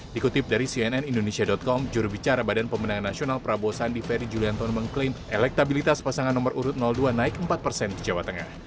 dikutip dari cnn indonesia com jurubicara badan pemenang nasional prabowo sandi ferry julianton mengklaim elektabilitas pasangan nomor urut dua naik empat persen di jawa tengah